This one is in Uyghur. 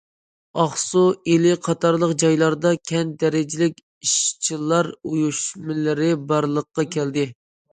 ئاقسۇ، ئىلى قاتارلىق جايلاردا كەنت دەرىجىلىك ئىشچىلار ئۇيۇشمىلىرى بارلىققا كەلدى.